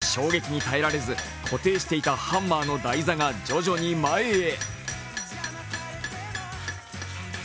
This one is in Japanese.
衝撃に耐えられず、固定していたハンマーの台座が徐々に前へ。